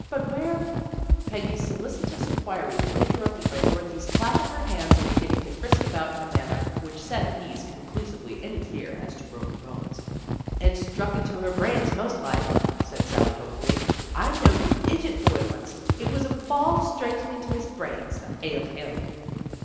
But where Peggy's solicitous inquiries were interrupted by Dorothy's clapping her hands and beginning to frisk about in a manner which set at ease conclusively any fear as to broken bones. "It's struck into her brains most like," said Sally hopefully. " I knowed an idget boy onct. It was a fall striking into his brains that ailed him."